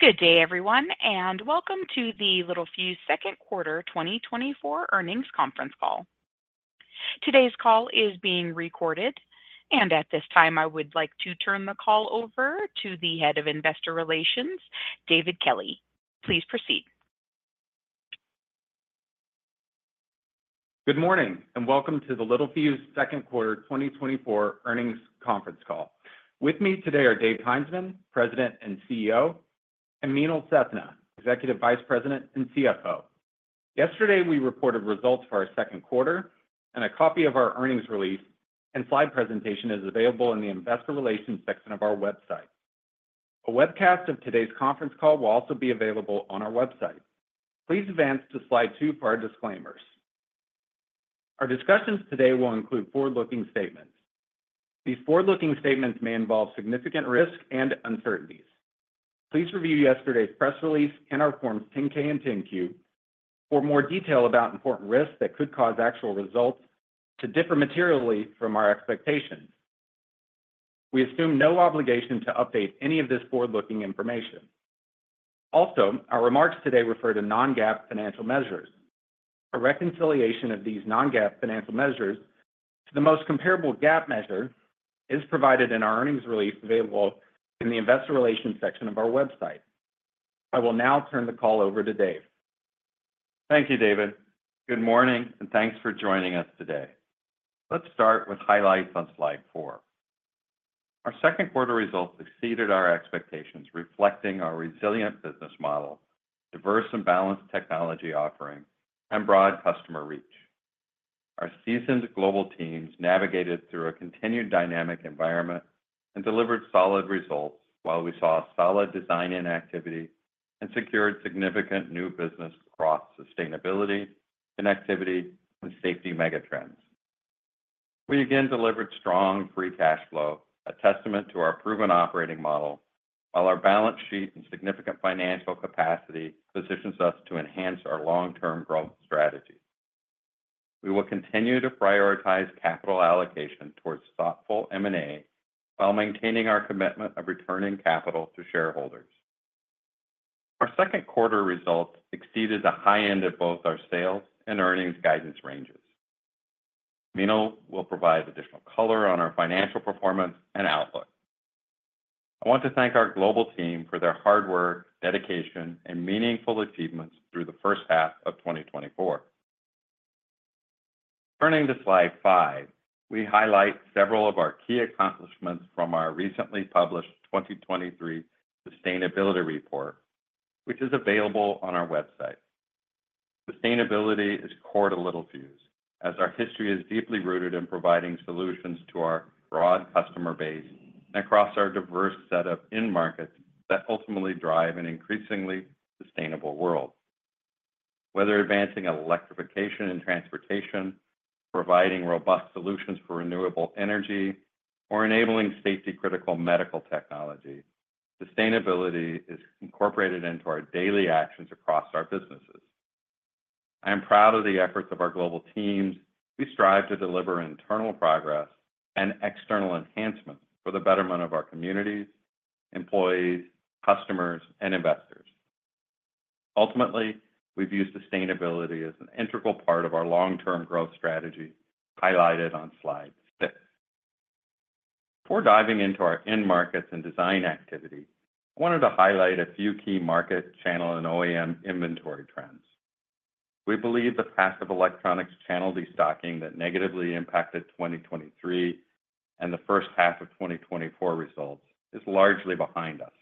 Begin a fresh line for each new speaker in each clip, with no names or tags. Good day, everyone, and welcome to the Littelfuse second quarter 2024 earnings conference call. Today's call is being recorded, and at this time, I would like to turn the call over to the Head of Investor Relations, David Kelley. Please proceed.
Good morning and welcome to the Littelfuse second quarter 2024 earnings conference call. With me today are Dave Heinzmann, President and CEO, and Meenal Sethna, Executive Vice President and CFO. Yesterday, we reported results for our second quarter, and a copy of our earnings release and slide presentation is available in the investor relations section of our website. A webcast of today's conference call will also be available on our website. Please advance to slide 2 for our disclaimers. Our discussions today will include forward-looking statements. These forward-looking statements may involve significant risk and uncertainties. Please review yesterday's press release and our forms 10-K and 10-Q for more detail about important risks that could cause actual results to differ materially from our expectations. We assume no obligation to update any of this forward-looking information. Also, our remarks today refer to non-GAAP financial measures. A reconciliation of these non-GAAP financial measures to the most comparable GAAP measure is provided in our earnings release available in the investor relations section of our website. I will now turn the call over to Dave.
Thank you, David. Good morning and thanks for joining us today. Let's start with highlights on slide 4. Our second quarter results exceeded our expectations, reflecting our resilient business model, diverse and balanced technology offering, and broad customer reach. Our seasoned global teams navigated through a continued dynamic environment and delivered solid results while we saw solid design and activity and secured significant new business across sustainability, connectivity, and safety megatrends. We again delivered strong free cash flow, a testament to our proven operating model, while our balance sheet and significant financial capacity positions us to enhance our long-term growth strategy. We will continue to prioritize capital allocation towards thoughtful M&A while maintaining our commitment of returning capital to shareholders. Our second quarter results exceeded the high end of both our sales and earnings guidance ranges. Meenal will provide additional color on our financial performance and outlook. I want to thank our global team for their hard work, dedication, and meaningful achievements through the first half of 2024. Turning to slide five, we highlight several of our key accomplishments from our recently published 2023 Sustainability Report, which is available on our website. Sustainability is core to Littelfuse, as our history is deeply rooted in providing solutions to our broad customer base and across our diverse set of end markets that ultimately drive an increasingly sustainable world. Whether advancing electrification and transportation, providing robust solutions for renewable energy, or enabling safety-critical medical technology, sustainability is incorporated into our daily actions across our businesses. I am proud of the efforts of our global teams. We strive to deliver internal progress and external enhancements for the betterment of our communities, employees, customers, and investors. Ultimately, we view sustainability as an integral part of our long-term growth strategy, highlighted on slide 6. Before diving into our end markets and design activity, I wanted to highlight a few key market, channel, and OEM inventory trends. We believe the passive electronics channel destocking that negatively impacted 2023 and the first half of 2024 results is largely behind us.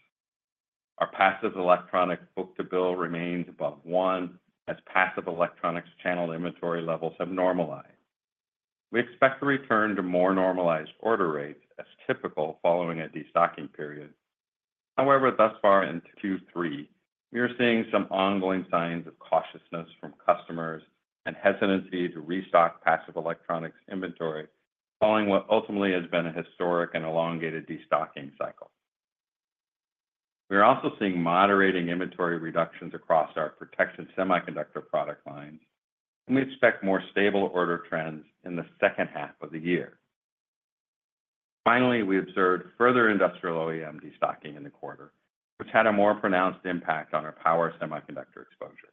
Our passive electronics book to bill remains above 1 as passive electronics channel inventory levels have normalized. We expect a return to more normalized order rates as typical following a destocking period. However, thus far into Q3, we are seeing some ongoing signs of cautiousness from customers and hesitancy to restock passive electronics inventory following what ultimately has been a historic and elongated destocking cycle. We are also seeing moderating inventory reductions across our protection semiconductor product lines, and we expect more stable order trends in the second half of the year. Finally, we observed further industrial OEM destocking in the quarter, which had a more pronounced impact on our power semiconductor exposure.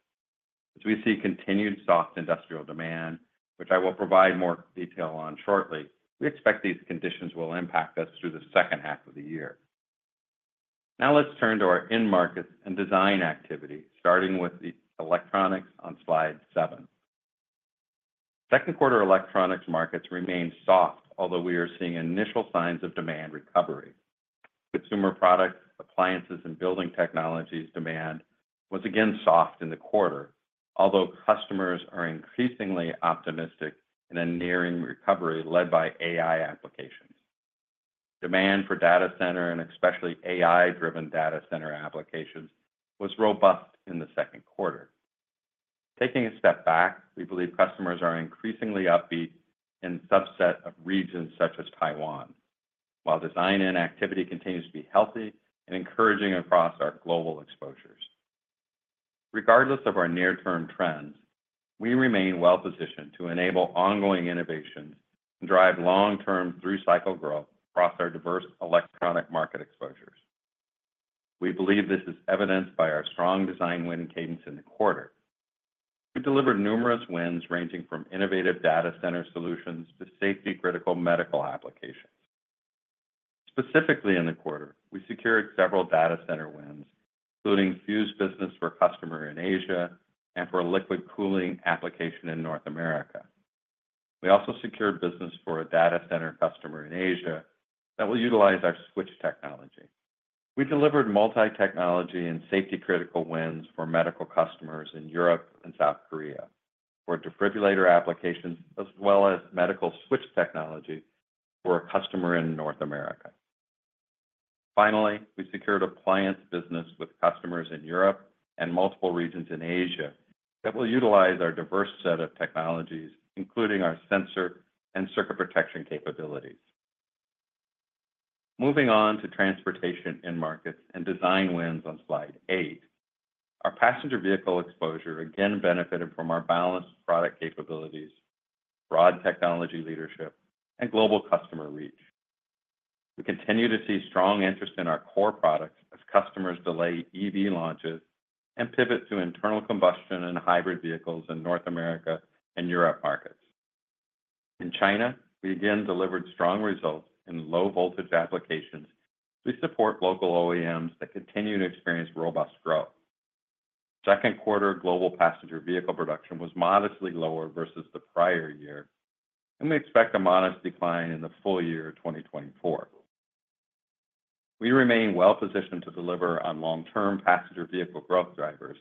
As we see continued soft industrial demand, which I will provide more detail on shortly, we expect these conditions will impact us through the second half of the year. Now let's turn to our end markets and design activity, starting with the electronics on slide 7. Second quarter electronics markets remained soft, although we are seeing initial signs of demand recovery. Consumer products, appliances, and building technologies demand was again soft in the quarter, although customers are increasingly optimistic in a nearing recovery led by AI applications. Demand for data center and especially AI-driven data center applications was robust in the second quarter. Taking a step back, we believe customers are increasingly upbeat in a subset of regions such as Taiwan, while design and activity continues to be healthy and encouraging across our global exposures. Regardless of our near-term trends, we remain well-positioned to enable ongoing innovation and drive long-term through-cycle growth across our diverse electronic market exposures. We believe this is evidenced by our strong design win cadence in the quarter. We delivered numerous wins ranging from innovative data center solutions to safety-critical medical applications. Specifically in the quarter, we secured several data center wins, including fused business for a customer in Asia and for a liquid cooling application in North America. We also secured business for a data center customer in Asia that will utilize our switch technology. We delivered multi-technology and safety-critical wins for medical customers in Europe and South Korea for defibrillator applications, as well as medical switch technology for a customer in North America. Finally, we secured appliance business with customers in Europe and multiple regions in Asia that will utilize our diverse set of technologies, including our sensor and circuit protection capabilities. Moving on to transportation end markets and design wins on slide 8, our passenger vehicle exposure again benefited from our balanced product capabilities, broad technology leadership, and global customer reach. We continue to see strong interest in our core products as customers delay EV launches and pivot to internal combustion and hybrid vehicles in North America and Europe markets. In China, we again delivered strong results in low-voltage applications to support local OEMs that continue to experience robust growth. Second quarter global passenger vehicle production was modestly lower versus the prior year, and we expect a modest decline in the full year of 2024. We remain well-positioned to deliver on long-term passenger vehicle growth drivers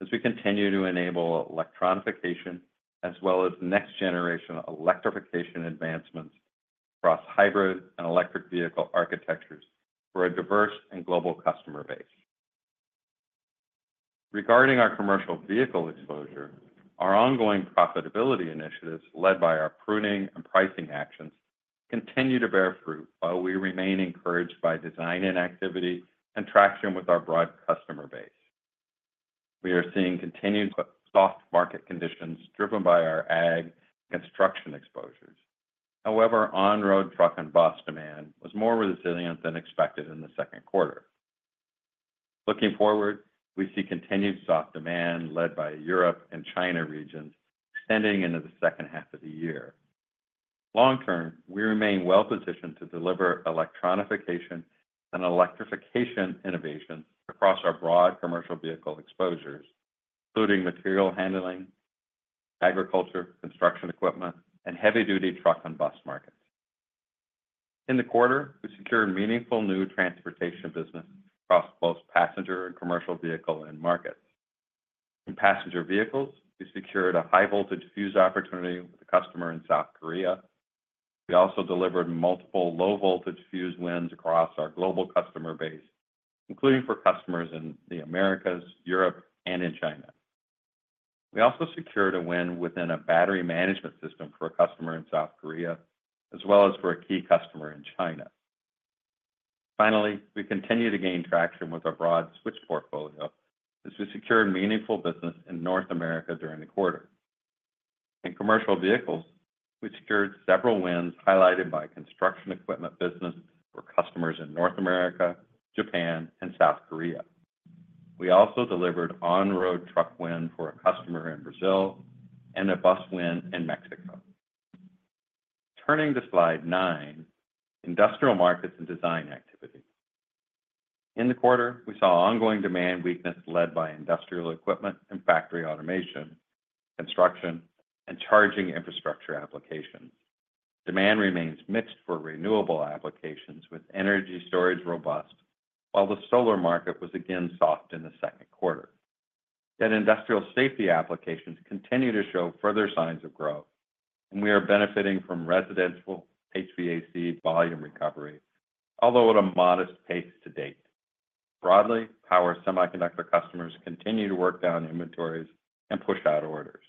as we continue to enable electronification as well as next-generation electrification advancements across hybrid and electric vehicle architectures for a diverse and global customer base. Regarding our commercial vehicle exposure, our ongoing profitability initiatives led by our pruning and pricing actions continue to bear fruit while we remain encouraged by design and activity and traction with our broad customer base. We are seeing continued soft market conditions driven by our ag construction exposures. However, on-road truck and bus demand was more resilient than expected in the second quarter. Looking forward, we see continued soft demand led by Europe and China regions extending into the second half of the year. Long-term, we remain well-positioned to deliver electronification and electrification innovations across our broad commercial vehicle exposures, including material handling, agriculture, construction equipment, and heavy-duty truck and bus markets. In the quarter, we secured meaningful new transportation business across both passenger and commercial vehicle end markets. In passenger vehicles, we secured a high-voltage fuse opportunity with a customer in South Korea. We also delivered multiple low-voltage fuse wins across our global customer base, including for customers in the Americas, Europe, and in China. We also secured a win within a battery management system for a customer in South Korea, as well as for a key customer in China. Finally, we continue to gain traction with our broad switch portfolio as we secured meaningful business in North America during the quarter. In commercial vehicles, we secured several wins highlighted by construction equipment business for customers in North America, Japan, and South Korea. We also delivered on-road truck win for a customer in Brazil and a bus win in Mexico. Turning to slide nine, industrial markets and design activity. In the quarter, we saw ongoing demand weakness led by industrial equipment and factory automation, construction, and charging infrastructure applications. Demand remains mixed for renewable applications with energy storage robust, while the solar market was again soft in the second quarter. Yet industrial safety applications continue to show further signs of growth, and we are benefiting from residential HVAC volume recovery, although at a modest pace to date. Broadly, power semiconductor customers continue to work down inventories and push out orders.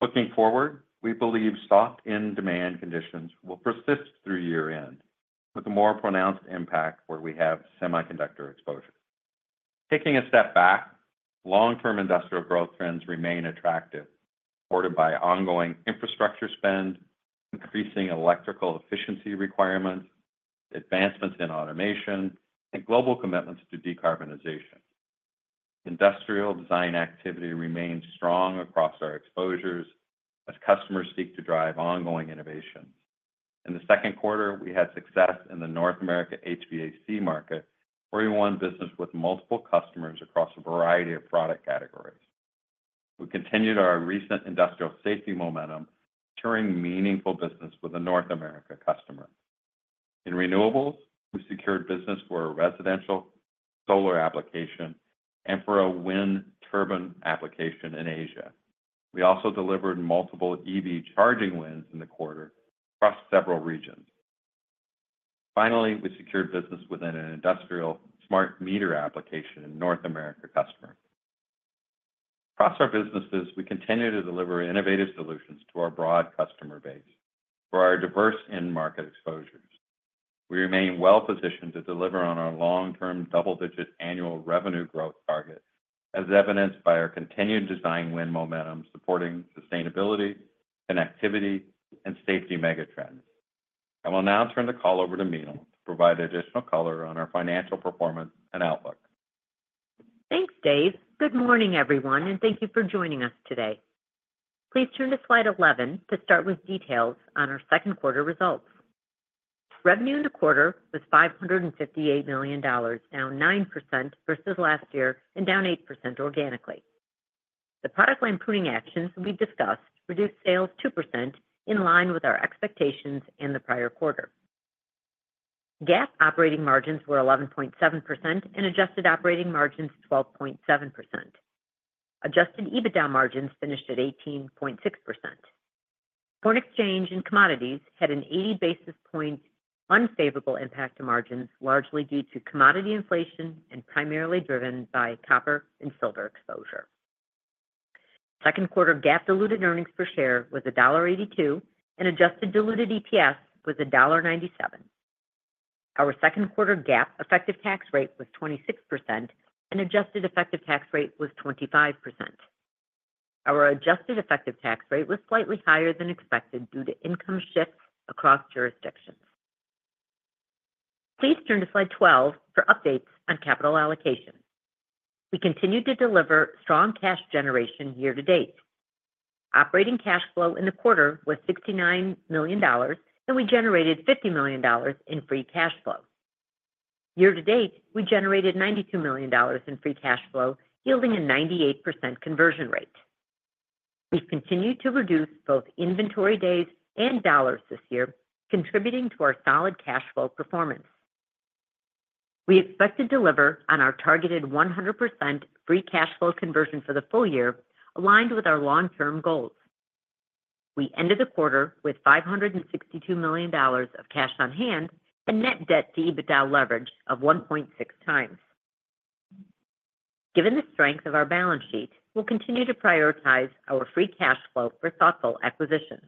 Looking forward, we believe soft end demand conditions will persist through year-end with a more pronounced impact where we have semiconductor exposure. Taking a step back, long-term industrial growth trends remain attractive, supported by ongoing infrastructure spend, increasing electrical efficiency requirements, advancements in automation, and global commitments to decarbonization. Industrial design activity remains strong across our exposures as customers seek to drive ongoing innovations. In the second quarter, we had success in the North America HVAC market where we won business with multiple customers across a variety of product categories. We continued our recent industrial safety momentum, securing meaningful business with a North American customer. In renewables, we secured business for a residential solar application and for a wind turbine application in Asia. We also delivered multiple EV charging wins in the quarter across several regions. Finally, we secured business within an industrial smart meter application with a North American customer. Across our businesses, we continue to deliver innovative solutions to our broad customer base for our diverse end market exposures. We remain well-positioned to deliver on our long-term double-digit annual revenue growth target, as evidenced by our continued design win momentum supporting sustainability, connectivity, and safety megatrends. I will now turn the call over to Meenal to provide additional color on our financial performance and outlook.
Thanks, Dave. Good morning, everyone, and thank you for joining us today. Please turn to slide 11 to start with details on our second quarter results. Revenue in the quarter was $558 million, down 9% versus last year, and down 8% organically. The product line pruning actions we discussed reduced sales 2% in line with our expectations in the prior quarter. GAAP operating margins were 11.7% and adjusted operating margins 12.7%. Adjusted EBITDA margins finished at 18.6%. Foreign exchange and commodities had an 80 basis point unfavorable impact to margins, largely due to commodity inflation and primarily driven by copper and silver exposure. Second quarter GAAP diluted earnings per share was $1.82, and adjusted diluted EPS was $1.97. Our second quarter GAAP effective tax rate was 26%, and adjusted effective tax rate was 25%. Our adjusted effective tax rate was slightly higher than expected due to income shifts across jurisdictions. Please turn to slide 12 for updates on capital allocation. We continue to deliver strong cash generation year-to-date. Operating cash flow in the quarter was $69 million, and we generated $50 million in free cash flow. Year-to-date, we generated $92 million in free cash flow, yielding a 98% conversion rate. We've continued to reduce both inventory days and dollars this year, contributing to our solid cash flow performance. We expect to deliver on our targeted 100% free cash flow conversion for the full year, aligned with our long-term goals. We ended the quarter with $562 million of cash on hand and net debt to EBITDA leverage of 1.6 times. Given the strength of our balance sheet, we'll continue to prioritize our free cash flow for thoughtful acquisitions,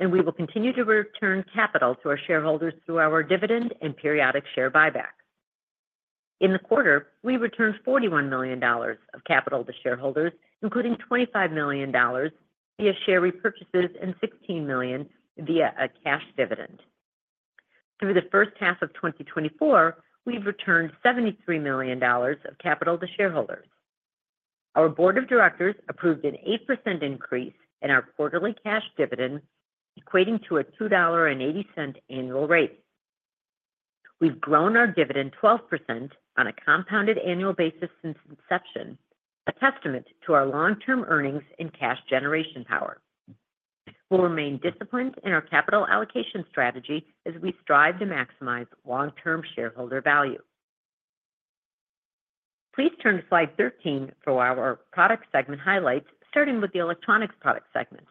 and we will continue to return capital to our shareholders through our dividend and periodic share buybacks. In the quarter, we returned $41 million of capital to shareholders, including $25 million via share repurchases and $16 million via a cash dividend. Through the first half of 2024, we've returned $73 million of capital to shareholders. Our board of directors approved an 8% increase in our quarterly cash dividend, equating to a $2.80 annual rate. We've grown our dividend 12% on a compounded annual basis since inception, a testament to our long-term earnings and cash generation power. We'll remain disciplined in our capital allocation strategy as we strive to maximize long-term shareholder value. Please turn to slide 13 for our product segment highlights, starting with the electronics product segment.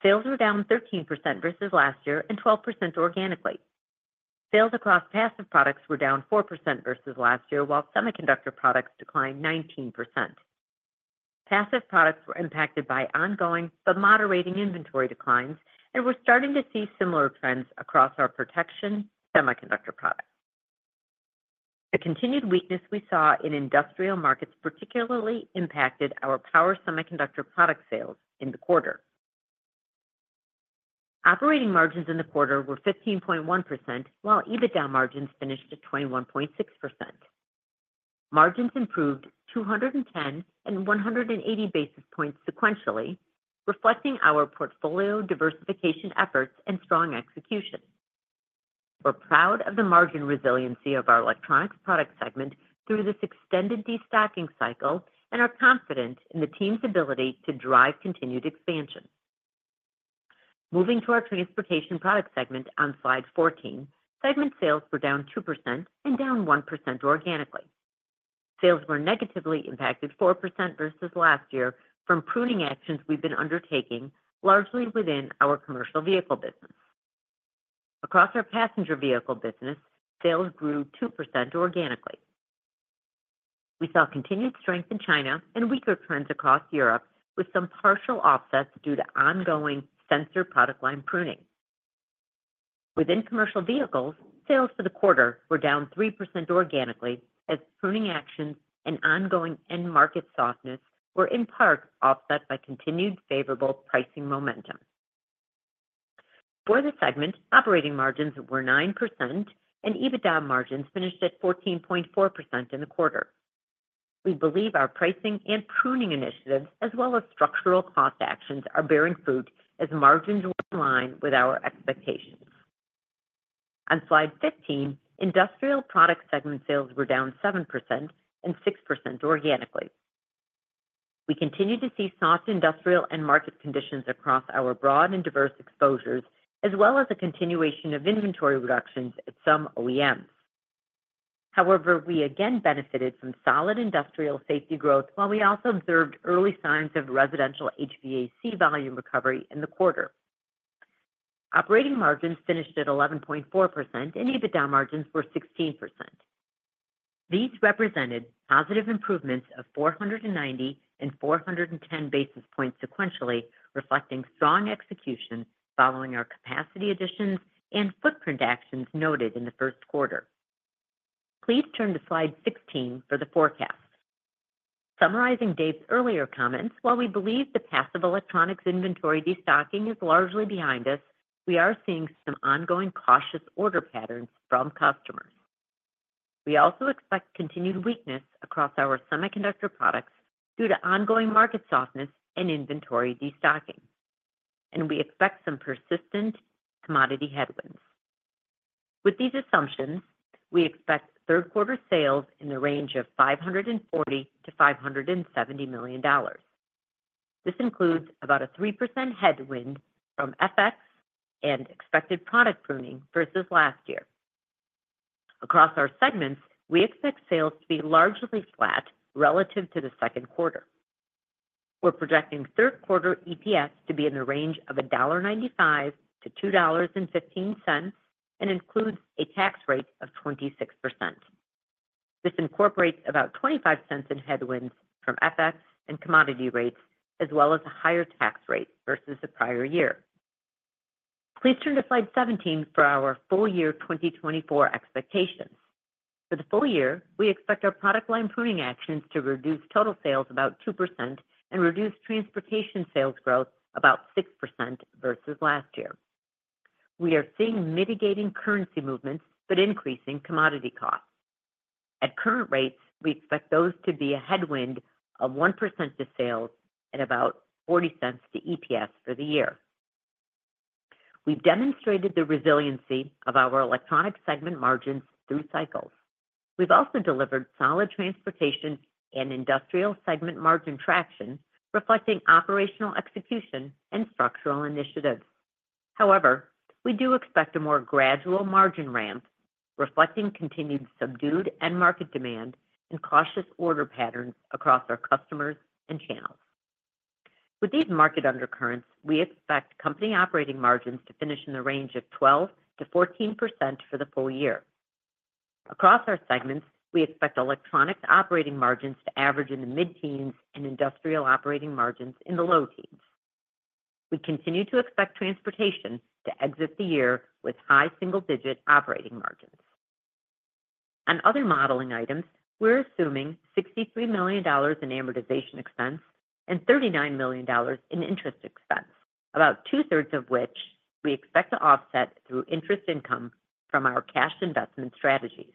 Sales were down 13% versus last year and 12% organically. Sales across passive products were down 4% versus last year, while semiconductor products declined 19%. Passive products were impacted by ongoing but moderating inventory declines and were starting to see similar trends across our protection semiconductor products. The continued weakness we saw in industrial markets particularly impacted our power semiconductor product sales in the quarter. Operating margins in the quarter were 15.1%, while EBITDA margins finished at 21.6%. Margins improved 210 and 180 basis points sequentially, reflecting our portfolio diversification efforts and strong execution. We're proud of the margin resiliency of our electronics product segment through this extended destocking cycle and are confident in the team's ability to drive continued expansion. Moving to our transportation product segment on slide 14, segment sales were down 2% and down 1% organically. Sales were negatively impacted 4% versus last year from pruning actions we've been undertaking, largely within our commercial vehicle business. Across our passenger vehicle business, sales grew 2% organically. We saw continued strength in China and weaker trends across Europe, with some partial offsets due to ongoing sensor product line pruning. Within commercial vehicles, sales for the quarter were down 3% organically as pruning actions and ongoing end market softness were in part offset by continued favorable pricing momentum. For the segment, operating margins were 9%, and EBITDA margins finished at 14.4% in the quarter. We believe our pricing and pruning initiatives, as well as structural cost actions, are bearing fruit as margins were in line with our expectations. On slide 15, industrial product segment sales were down 7% and 6% organically. We continue to see soft industrial and market conditions across our broad and diverse exposures, as well as a continuation of inventory reductions at some OEMs. However, we again benefited from solid industrial safety growth while we also observed early signs of residential HVAC volume recovery in the quarter. Operating margins finished at 11.4%, and EBITDA margins were 16%. These represented positive improvements of 490 and 410 basis points sequentially, reflecting strong execution following our capacity additions and footprint actions noted in the first quarter. Please turn to slide 16 for the forecast. Summarizing Dave's earlier comments, while we believe the passive electronics inventory destacking is largely behind us, we are seeing some ongoing cautious order patterns from customers. We also expect continued weakness across our semiconductor products due to ongoing market softness and inventory destacking, and we expect some persistent commodity headwinds. With these assumptions, we expect third quarter sales in the range of $540-$570 million. This includes about a 3% headwind from FX and expected product pruning versus last year. Across our segments, we expect sales to be largely flat relative to the second quarter. We're projecting third quarter EPS to be in the range of $1.95-$2.15 and includes a tax rate of 26%. This incorporates about $0.25 in headwinds from FX and commodity rates, as well as a higher tax rate versus the prior year. Please turn to slide 17 for our full year 2024 expectations. For the full year, we expect our product line pruning actions to reduce total sales about 2% and reduce transportation sales growth about 6% versus last year. We are seeing mitigating currency movements but increasing commodity costs. At current rates, we expect those to be a headwind of 1% to sales and about $0.40 to EPS for the year. We've demonstrated the resiliency of our electronics segment margins through cycles. We've also delivered solid transportation and industrial segment margin traction, reflecting operational execution and structural initiatives. However, we do expect a more gradual margin ramp, reflecting continued subdued end market demand and cautious order patterns across our customers and channels. With these market undercurrents, we expect company operating margins to finish in the range of 12%-14% for the full year. Across our segments, we expect electronics operating margins to average in the mid-teens and industrial operating margins in the low-teens. We continue to expect transportation to exit the year with high single-digit operating margins. On other modeling items, we're assuming $63 million in amortization expense and $39 million in interest expense, about two-thirds of which we expect to offset through interest income from our cash investment strategies.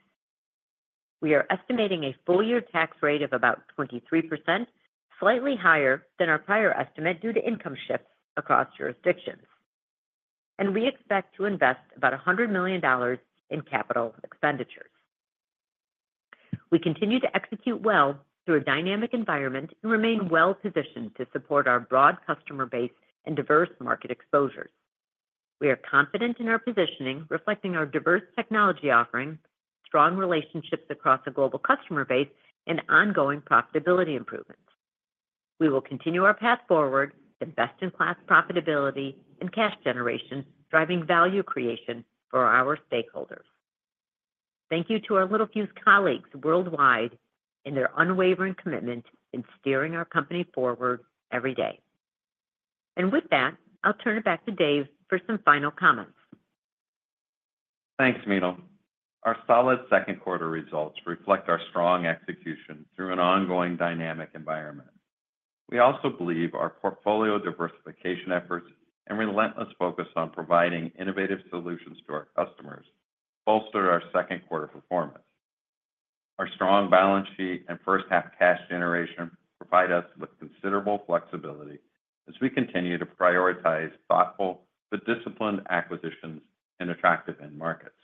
We are estimating a full-year tax rate of about 23%, slightly higher than our prior estimate due to income shifts across jurisdictions, and we expect to invest about $100 million in capital expenditures. We continue to execute well through a dynamic environment and remain well-positioned to support our broad customer base and diverse market exposures. We are confident in our positioning, reflecting our diverse technology offering, strong relationships across the global customer base, and ongoing profitability improvements. We will continue our path forward to best-in-class profitability and cash generation, driving value creation for our stakeholders. Thank you to our Littelfuse colleagues worldwide and their unwavering commitment in steering our company forward every day. And with that, I'll turn it back to Dave for some final comments.
Thanks, Meenal. Our solid second quarter results reflect our strong execution through an ongoing dynamic environment. We also believe our portfolio diversification efforts and relentless focus on providing innovative solutions to our customers bolstered our second quarter performance. Our strong balance sheet and first-half cash generation provide us with considerable flexibility as we continue to prioritize thoughtful but disciplined acquisitions in attractive end markets.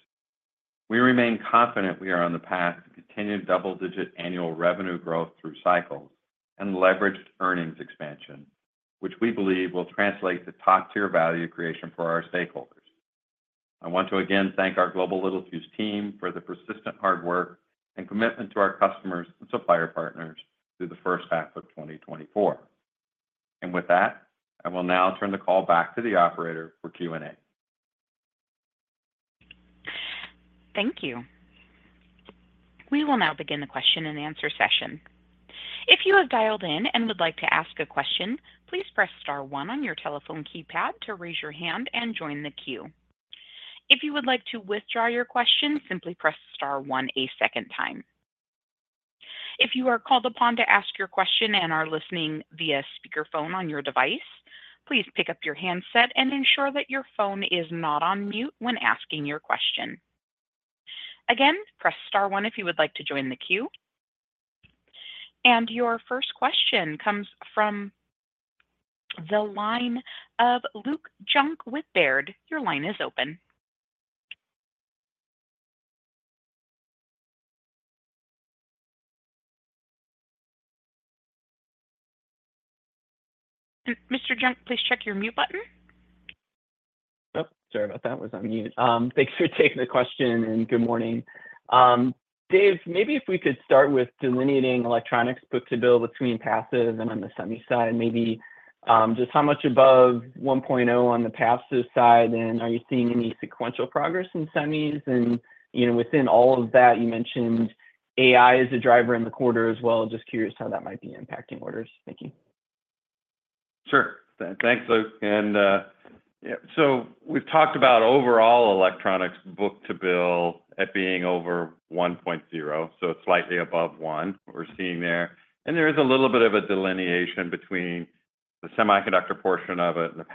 We remain confident we are on the path to continued double-digit annual revenue growth through cycles and leveraged earnings expansion, which we believe will translate to top-tier value creation for our stakeholders. I want to again thank our global Littelfuse team for the persistent hard work and commitment to our customers and supplier partners through the first half of 2024. With that, I will now turn the call back to the operator for Q&A.
Thank you. We will now begin the question and answer session. If you have dialed in and would like to ask a question, please press star one on your telephone keypad to raise your hand and join the queue. If you would like to withdraw your question, simply press star one a second time. If you are called upon to ask your question and are listening via speakerphone on your device, please pick up your handset and ensure that your phone is not on mute when asking your question. Again, press star one if you would like to join the queue. Your first question comes from the line of Luke Junk with Baird. Your line is open. Mr. Junk, please check your mute button.
Yep, sorry about that. I was on mute. Thanks for taking the question and good morning. Dave, maybe if we could start with delineating electronics book to bill between passive and on the semi side, maybe just how much above 1.0 on the passive side, and are you seeing any sequential progress in semis? And within all of that, you mentioned AI is a driver in the quarter as well. Just curious how that might be impacting orders. Thank you.
Sure. Thanks, Luke. And so we've talked about overall electronics book to bill at being over 1.0, so it's slightly above 1 we're seeing there. And there is a little bit of a delineation between the semiconductor portion of it and the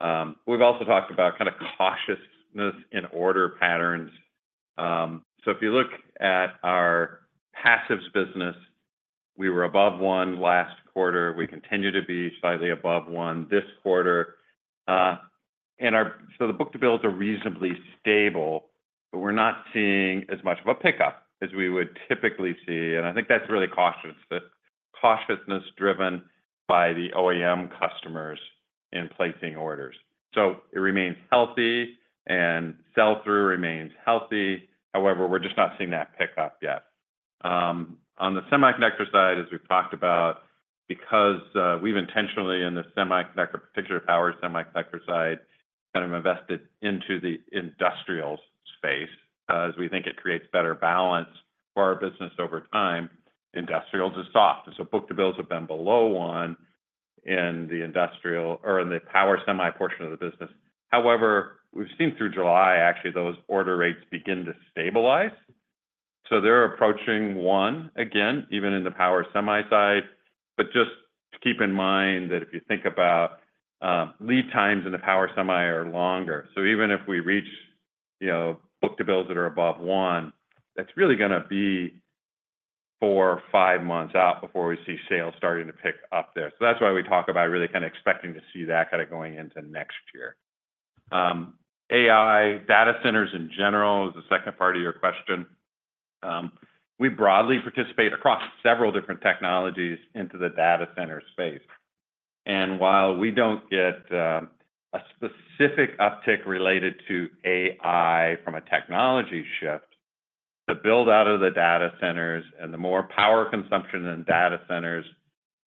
passives. We've also talked about kind of cautiousness in order patterns. So if you look at our passives business, we were above 1 last quarter. We continue to be slightly above 1 this quarter. And so the book to bills are reasonably stable, but we're not seeing as much of a pickup as we would typically see. And I think that's really cautiousness driven by the OEM customers in placing orders. So it remains healthy, and sell-through remains healthy. However, we're just not seeing that pickup yet. On the semiconductor side, as we've talked about, because we've intentionally in the semiconductor, particularly power semiconductor side, kind of invested into the industrials space as we think it creates better balance for our business over time. Industrials is soft. And so book to bills have been below 1 in the industrial or in the power semi portion of the business. However, we've seen through July, actually, those order rates begin to stabilize. So they're approaching 1 again, even in the power semi side. But just to keep in mind that if you think about lead times in the power semi are longer. So even if we reach book to bills that are above 1, that's really going to be 4, 5 months out before we see sales starting to pick up there. That's why we talk about really kind of expecting to see that kind of going into next year. AI data centers in general is the second part of your question. We broadly participate across several different technologies into the data center space. And while we don't get a specific uptick related to AI from a technology shift, the build-out of the data centers and the more power consumption in data centers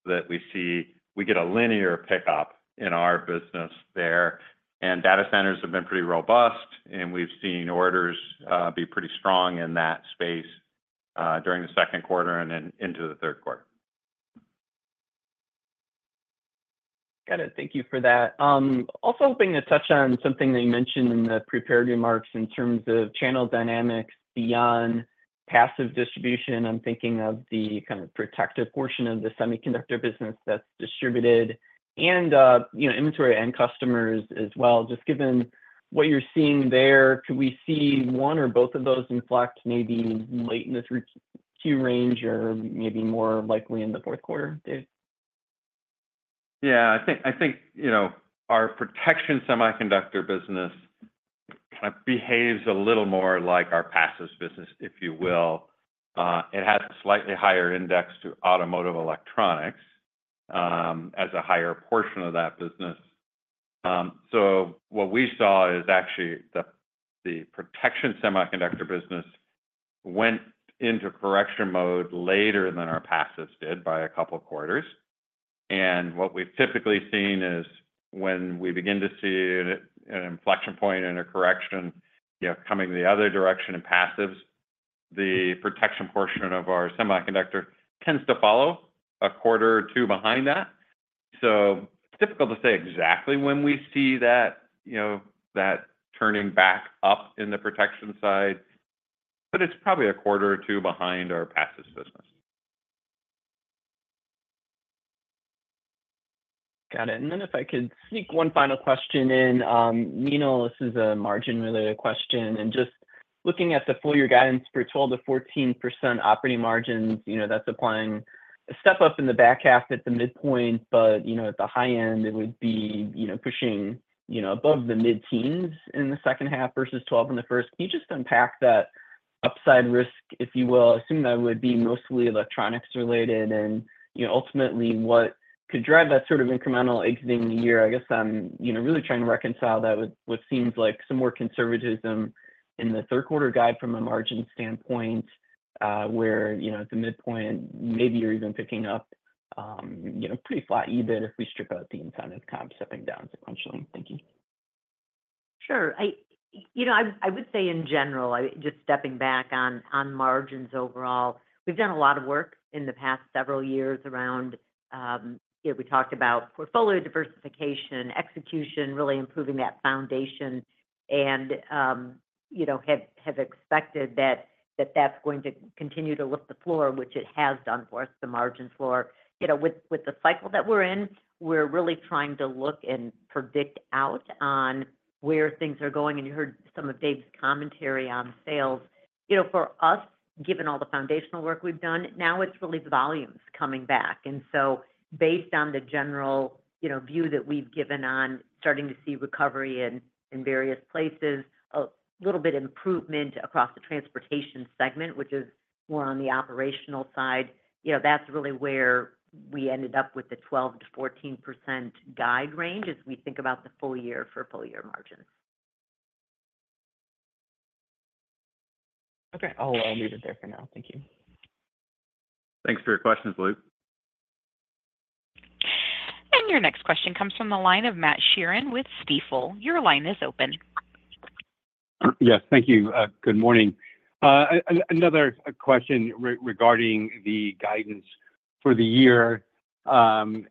that we see, we get a linear pickup in our business there. And data centers have been pretty robust, and we've seen orders be pretty strong in that space during the second quarter and into the third quarter.
Got it. Thank you for that. Also hoping to touch on something that you mentioned in the prepared remarks in terms of channel dynamics beyond passive distribution. I'm thinking of the kind of protective portion of the semiconductor business that's distributed and inventory and customers as well. Just given what you're seeing there, could we see one or both of those inflect maybe late in the Q range or maybe more likely in the fourth quarter, Dave?
Yeah. I think our protection semiconductor business kind of behaves a little more like our passive business, if you will. It has a slightly higher index to automotive electronics as a higher portion of that business. So what we saw is actually the protection semiconductor business went into correction mode later than our passives did by a couple of quarters. And what we've typically seen is when we begin to see an inflection point in a correction coming the other direction in passives, the protection portion of our semiconductor tends to follow a quarter or two behind that. So it's difficult to say exactly when we see that turning back up in the protection side, but it's probably a quarter or two behind our passive business.
Got it. And then if I could sneak one final question in, Meenal, this is a margin-related question. And just looking at the full year guidance for 12%-14% operating margins, that's applying a step up in the back half at the midpoint, but at the high end, it would be pushing above the mid-teens in the second half versus 12% in the first. Can you just unpack that upside risk, if you will? Assume that would be mostly electronics related. And ultimately, what could drive that sort of incremental exiting year? I guess I'm really trying to reconcile that with what seems like some more conservatism in the third quarter guide from a margin standpoint, where at the midpoint, maybe you're even picking up pretty flat EBIT if we strip out the incentive comp stepping down sequentially. Thank you.
Sure. I would say in general, just stepping back on margins overall, we've done a lot of work in the past several years around we talked about portfolio diversification, execution, really improving that foundation, and have expected that that's going to continue to lift the floor, which it has done for us, the margin floor. With the cycle that we're in, we're really trying to look and predict out on where things are going. And you heard some of Dave's commentary on sales. For us, given all the foundational work we've done, now it's really volumes coming back. And so, based on the general view that we've given on starting to see recovery in various places, a little bit of improvement across the transportation segment, which is more on the operational side, that's really where we ended up with the 12%-14% guide range as we think about the full year for full year margins.
Okay. I'll leave it there for now. Thank you.
Thanks for your questions, Luke.
Your next question comes from the line of Matt Sheerin with Stifel. Your line is open.
Yes. Thank you. Good morning. Another question regarding the guidance for the year and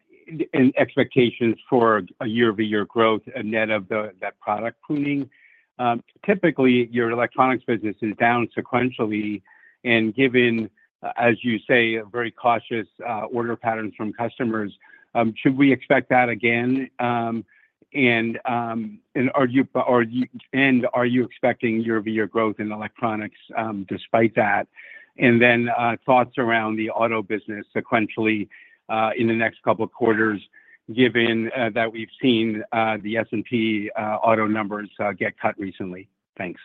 expectations for a year-over-year growth and net of that product pruning. Typically, your electronics business is down sequentially. And given, as you say, very cautious order patterns from customers, should we expect that again? And are you expecting year-over-year growth in electronics despite that? And then thoughts around the auto business sequentially in the next couple of quarters, given that we've seen the S&P auto numbers get cut recently. Thanks.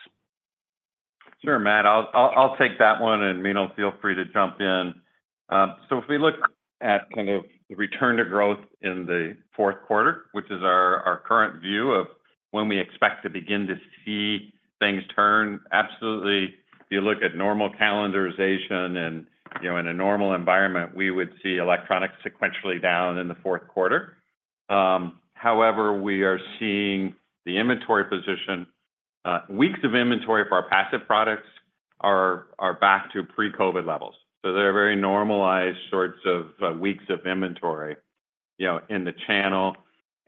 Sure, Matt. I'll take that one, and Meenal, feel free to jump in. So if we look at kind of the return to growth in the fourth quarter, which is our current view of when we expect to begin to see things turn, absolutely, if you look at normal calendarization and in a normal environment, we would see electronics sequentially down in the fourth quarter. However, we are seeing the inventory position. Weeks of inventory for our passive products are back to pre-COVID levels. So they're very normalized sorts of weeks of inventory in the channel.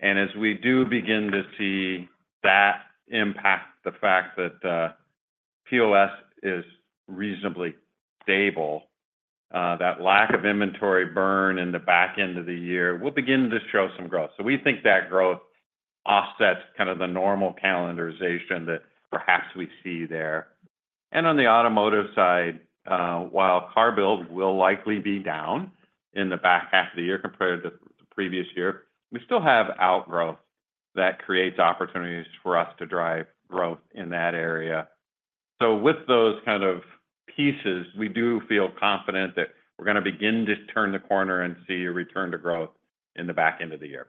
And as we do begin to see that impact the fact that POS is reasonably stable, that lack of inventory burn in the back end of the year will begin to show some growth. So we think that growth offsets kind of the normal calendarization that perhaps we see there. On the automotive side, while car builds will likely be down in the back half of the year compared to the previous year, we still have outgrowth that creates opportunities for us to drive growth in that area. With those kind of pieces, we do feel confident that we're going to begin to turn the corner and see a return to growth in the back end of the year.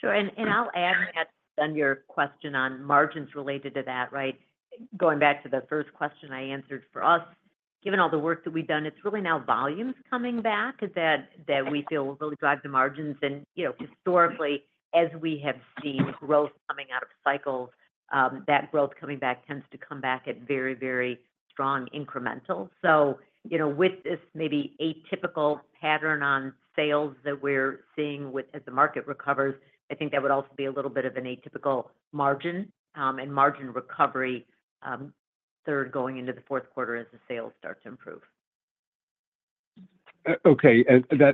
Sure. And I'll add that on your question on margins related to that, right? Going back to the first question I answered for us, given all the work that we've done, it's really now volumes coming back that we feel will really drive the margins. And historically, as we have seen growth coming out of cycles, that growth coming back tends to come back at very, very strong incrementals. So with this maybe atypical pattern on sales that we're seeing as the market recovers, I think that would also be a little bit of an atypical margin and margin recovery through going into the fourth quarter as the sales start to improve.
Okay.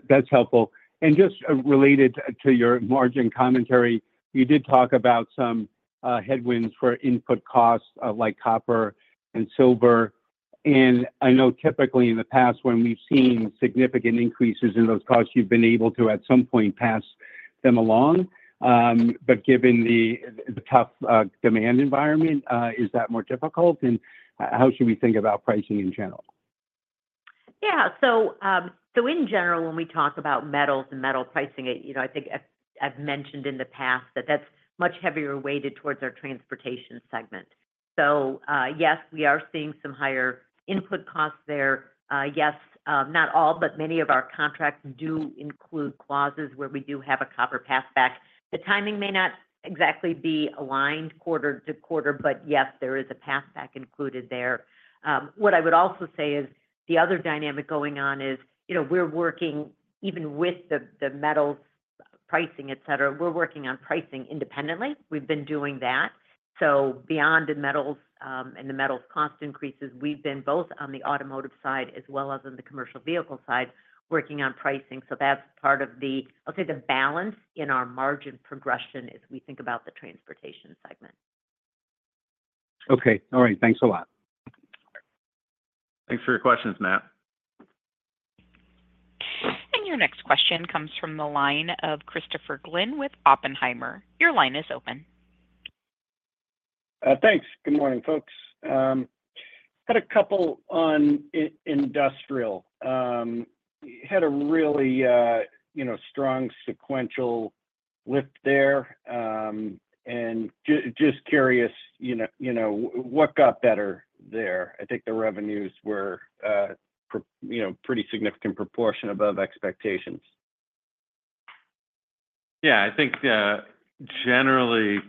That's helpful. Just related to your margin commentary, you did talk about some headwinds for input costs like copper and silver. I know typically in the past, when we've seen significant increases in those costs, you've been able to at some point pass them along. But given the tough demand environment, is that more difficult? How should we think about pricing in general?
Yeah. So in general, when we talk about metals and metal pricing, I think I've mentioned in the past that that's much heavier weighted towards our transportation segment. So yes, we are seeing some higher input costs there. Yes, not all, but many of our contracts do include clauses where we do have a copper passback. The timing may not exactly be aligned quarter to quarter, but yes, there is a passback included there. What I would also say is the other dynamic going on is we're working even with the metals pricing, etc. We're working on pricing independently. We've been doing that. So beyond the metals and the metals cost increases, we've been both on the automotive side as well as on the commercial vehicle side working on pricing. So that's part of the, I'll say, the balance in our margin progression as we think about the transportation segment.
Okay. All right. Thanks a lot.
Thanks for your questions, Matt.
Your next question comes from the line of Christopher Glynn with Oppenheimer. Your line is open.
Thanks. Good morning, folks. I've got a couple on industrial. Had a really strong sequential lift there. Just curious, what got better there? I think the revenues were a pretty significant proportion above expectations.
Yeah. I think generally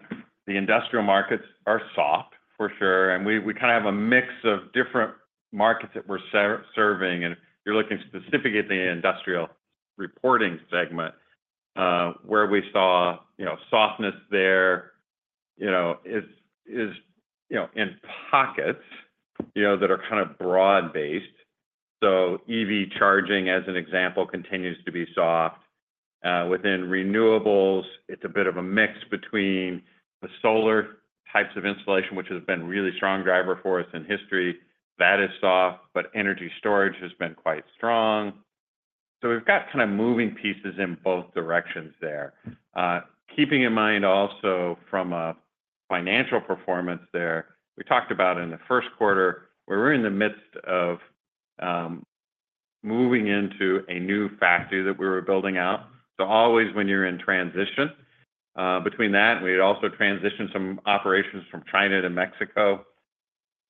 the industrial markets are soft for sure. We kind of have a mix of different markets that we're serving. You're looking specifically at the industrial reporting segment where we saw softness. There is in pockets that are kind of broad-based. EV charging, as an example, continues to be soft. Within renewables, it's a bit of a mix between the solar types of insulation, which has been a really strong driver for us in history. That is soft, but energy storage has been quite strong. So we've got kind of moving pieces in both directions there. Keeping in mind also from a financial performance there, we talked about in the first quarter, we were in the midst of moving into a new factory that we were building out. So always when you're in transition between that, we had also transitioned some operations from China to Mexico.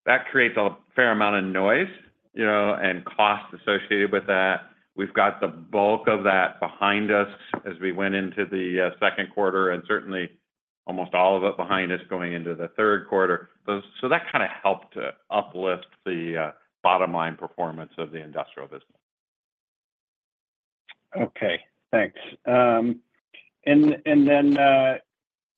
That creates a fair amount of noise and cost associated with that. We've got the bulk of that behind us as we went into the second quarter and certainly almost all of it behind us going into the third quarter. So that kind of helped to uplift the bottom line performance of the industrial business.
Okay. Thanks. And then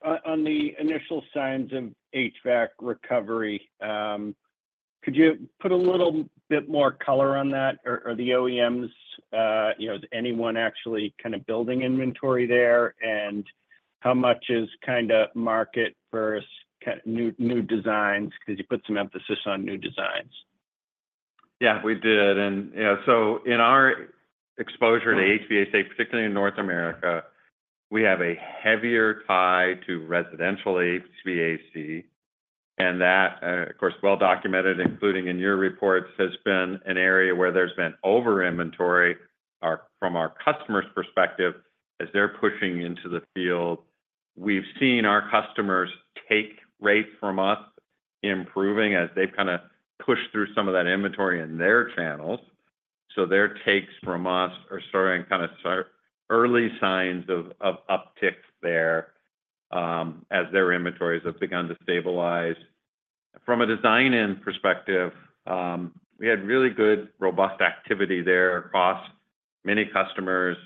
on the initial signs of HVAC recovery, could you put a little bit more color on that or the OEMs? Is anyone actually kind of building inventory there? And how much is kind of market versus new designs? Because you put some emphasis on new designs.
Yeah, we did. And so in our exposure to HVAC, particularly in North America, we have a heavier tie to residential HVAC. And that, of course, well documented, including in your reports, has been an area where there's been over-inventory from our customers' perspective as they're pushing into the field. We've seen our customers take rates from us improving as they've kind of pushed through some of that inventory in their channels. So their takes from us are starting kind of early signs of uptick there as their inventories have begun to stabilize. From a design end perspective, we had really good robust activity there across many customers,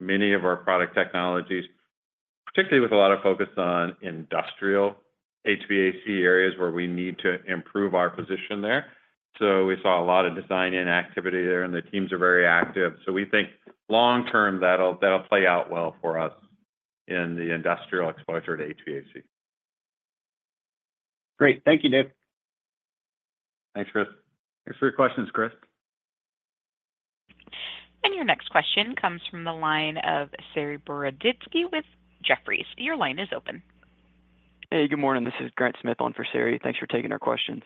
many of our product technologies, particularly with a lot of focus on industrial HVAC areas where we need to improve our position there. So we saw a lot of design inactivity there, and the teams are very active. We think long-term that'll play out well for us in the industrial exposure to HVAC.
Great. Thank you, Dave.
Thanks, Chris.
Thanks for your questions, Chris.
Your next question comes from the line of Sari Boroditsky with Jefferies. Your line is open.
Hey, good morning. This is Grant Smith on for Sari. Thanks for taking our questions.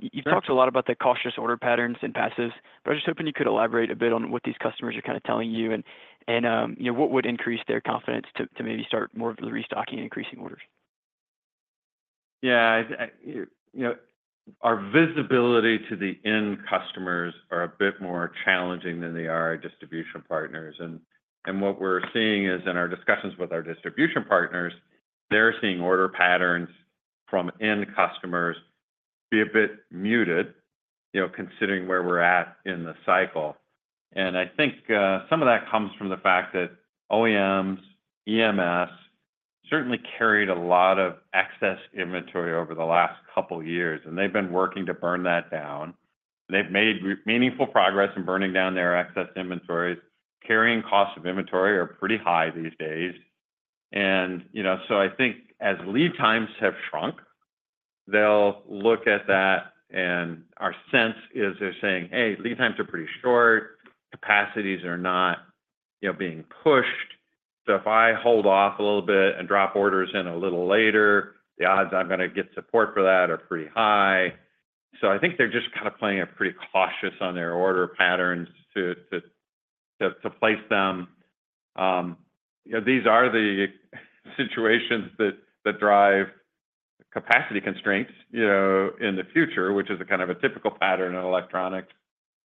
You've talked a lot about the cautious order patterns and passives, but I was just hoping you could elaborate a bit on what these customers are kind of telling you and what would increase their confidence to maybe start more of the restocking and increasing orders.
Yeah. Our visibility to the end customers are a bit more challenging than they are our distribution partners. What we're seeing is in our discussions with our distribution partners, they're seeing order patterns from end customers be a bit muted considering where we're at in the cycle. I think some of that comes from the fact that OEMs, EMS certainly carried a lot of excess inventory over the last couple of years, and they've been working to burn that down. They've made meaningful progress in burning down their excess inventories. Carrying costs of inventory are pretty high these days. So I think as lead times have shrunk, they'll look at that, and our sense is they're saying, "Hey, lead times are pretty short. Capacities are not being pushed. So if I hold off a little bit and drop orders in a little later, the odds I'm going to get support for that are pretty high." So I think they're just kind of playing it pretty cautious on their order patterns to place them. These are the situations that drive capacity constraints in the future, which is kind of a typical pattern in electronics.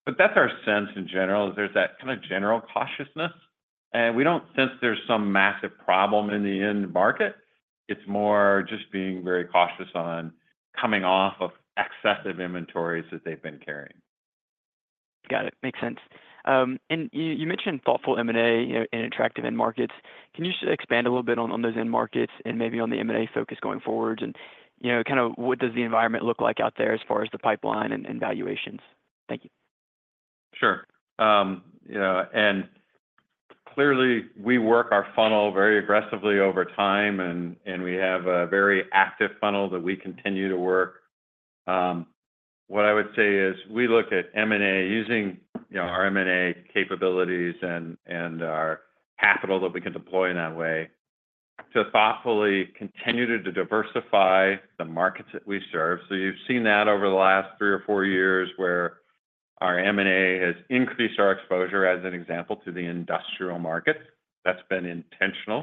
But that's our sense in general, is there's that kind of general cautiousness. And we don't sense there's some massive problem in the end market. It's more just being very cautious on coming off of excessive inventories that they've been carrying.
Got it. Makes sense. You mentioned thoughtful M&A and attractive end markets. Can you just expand a little bit on those end markets and maybe on the M&A focus going forward? Kind of what does the environment look like out there as far as the pipeline and valuations? Thank you.
Sure. And clearly, we work our funnel very aggressively over time, and we have a very active funnel that we continue to work. What I would say is we look at M&A using our M&A capabilities and our capital that we can deploy in that way to thoughtfully continue to diversify the markets that we serve. So you've seen that over the last three or four years where our M&A has increased our exposure, as an example, to the industrial markets. That's been intentional.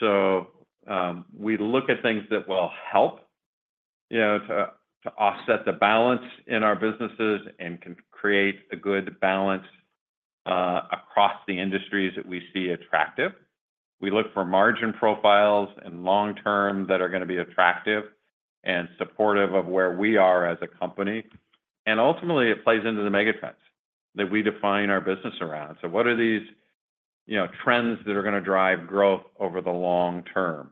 So we look at things that will help to offset the balance in our businesses and can create a good balance across the industries that we see attractive. We look for margin profiles and long-term that are going to be attractive and supportive of where we are as a company. And ultimately, it plays into the mega trends that we define our business around. So what are these trends that are going to drive growth over the long term?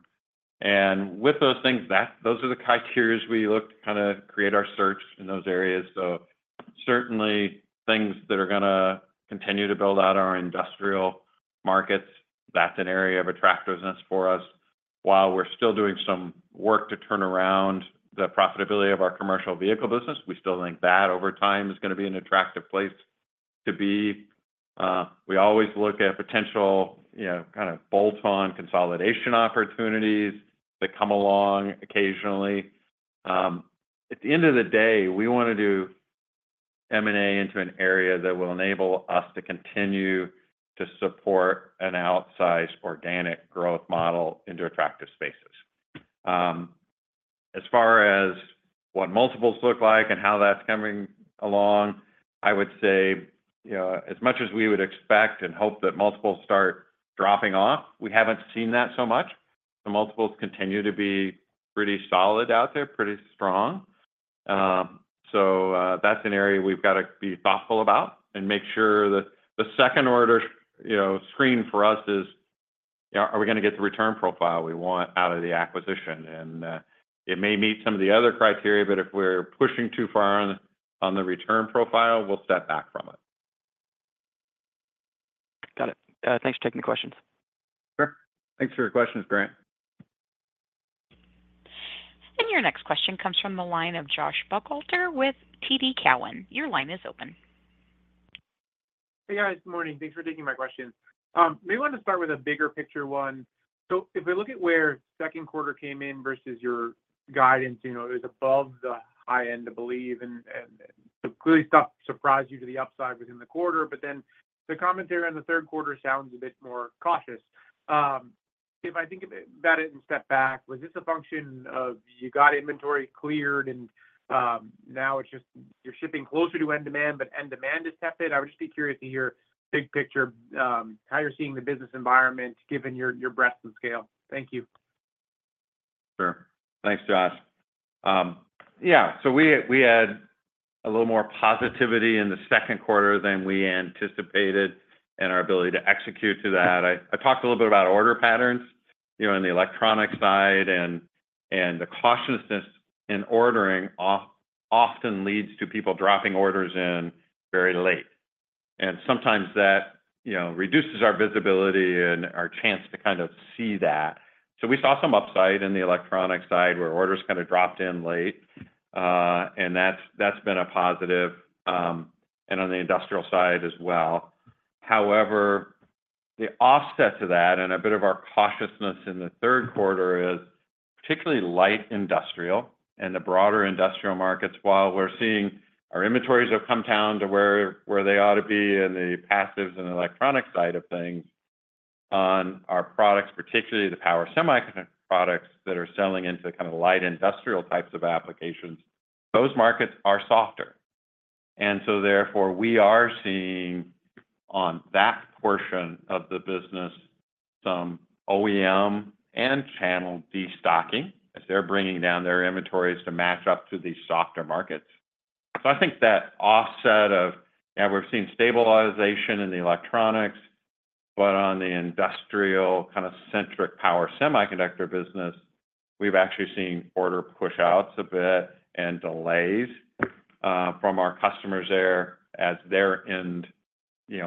And with those things, those are the criteria we look to kind of create our search in those areas. So certainly, things that are going to continue to build out our industrial markets, that's an area of attractiveness for us. While we're still doing some work to turn around the profitability of our commercial vehicle business, we still think that over time is going to be an attractive place to be. We always look at potential kind of bolt-on consolidation opportunities that come along occasionally. At the end of the day, we want to do M&A into an area that will enable us to continue to support an outsized organic growth model into attractive spaces. As far as what multiples look like and how that's coming along, I would say as much as we would expect and hope that multiples start dropping off, we haven't seen that so much. The multiples continue to be pretty solid out there, pretty strong. So that's an area we've got to be thoughtful about and make sure that the second-order screen for us is, are we going to get the return profile we want out of the acquisition? And it may meet some of the other criteria, but if we're pushing too far on the return profile, we'll step back from it.
Got it. Thanks for taking the questions.
Sure. Thanks for your questions, Grant.
Your next question comes from the line of Josh Buchalter with TD Cowen. Your line is open.
Hey, guys. Good morning. Thanks for taking my questions. Maybe I want to start with a bigger picture one. So if we look at where second quarter came in versus your guidance, it was above the high end, I believe. And it clearly surprised you to the upside within the quarter. But then the commentary on the third quarter sounds a bit more cautious. If I think about it and step back, was this a function of you got inventory cleared and now it's just you're shipping closer to end demand, but end demand is tepid? I would just be curious to hear big picture, how you're seeing the business environment given your breadth and scale. Thank you.
Sure. Thanks, Josh. Yeah. So we had a little more positivity in the second quarter than we anticipated and our ability to execute to that. I talked a little bit about order patterns on the electronic side, and the cautiousness in ordering often leads to people dropping orders in very late. And sometimes that reduces our visibility and our chance to kind of see that. So we saw some upside in the electronic side where orders kind of dropped in late. And that's been a positive. And on the industrial side as well. However, the offset to that and a bit of our cautiousness in the third quarter is particularly light industrial and the broader industrial markets. While we're seeing our inventories have come down to where they ought to be in the passives and electronic side of things on our products, particularly the power semiconductor products that are selling into kind of light industrial types of applications, those markets are softer. And so therefore, we are seeing on that portion of the business some OEM and channel destocking as they're bringing down their inventories to match up to these softer markets. So I think that offset of, yeah, we've seen stabilization in the electronics, but on the industrial kind of centric power semiconductor business, we've actually seen order push-outs a bit and delays from our customers there as their end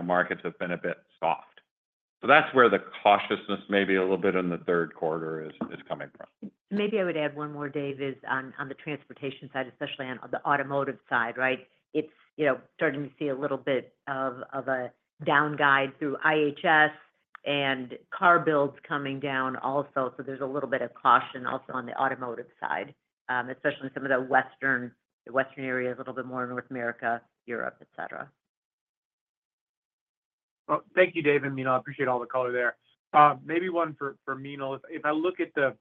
markets have been a bit soft. So that's where the cautiousness maybe a little bit in the third quarter is coming from.
Maybe I would add one more, Dave, is on the transportation side, especially on the automotive side, right? It's starting to see a little bit of a downside through IHS and car builds coming down also. So there's a little bit of caution also on the automotive side, especially some of the Western areas, a little bit more in North America, Europe, etc.
Well, thank you, Dave. I appreciate all the color there. Maybe one for Meenal. If I look at the